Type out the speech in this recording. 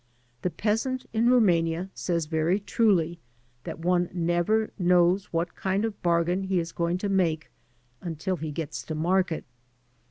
The peasant in Rumania says very truly that one never knows what kind of bargain he is going to make until he gets to market.